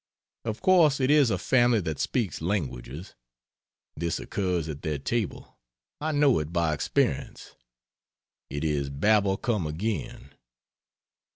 Of course it is a family that speaks languages. This occurs at their table I know it by experience: It is Babel come again.